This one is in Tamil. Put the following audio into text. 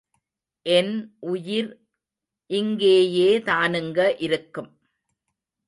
என் உயிர் இங்கேயேதானுங்க இருக்கும்!.